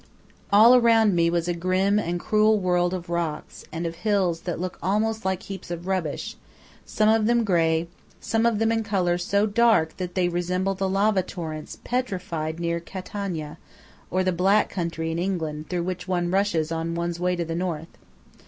All around me was a grim and cruel world of rocks, and of hills that look almost like heaps of rubbish, some of them grey, some of them in color so dark that they resemble the lava torrents petrified near Catania, or the "Black Country" in England through which one rushes on one's way to the north.